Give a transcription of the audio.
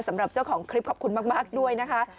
สำหรับเจ้าของคลิปขอบคุณมากด้วยนะคะ